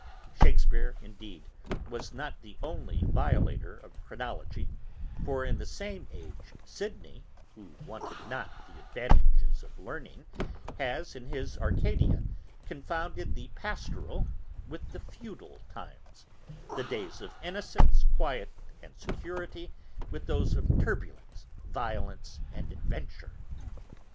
Shakespeare, indeed, was not the only violator of chronology, for in the same age Sidney, who wanted not the advantages of learning, has, in his Arcadia, confounded the pastoral with the feudal times, the days of innocence, quiet and security, with those of turbulence, violence, and adventure.